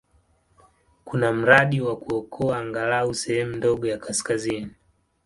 Kuna mradi wa kuokoa angalau sehemu ndogo ya kaskazini.